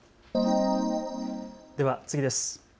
では次です。